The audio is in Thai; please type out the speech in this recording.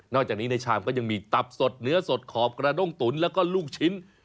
จากนี้ในชามก็ยังมีตับสดเนื้อสดขอบกระด้งตุ๋นแล้วก็ลูกชิ้น